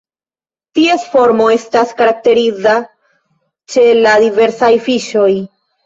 Ties formo estas karakteriza ĉe la diversaj fiŝoj.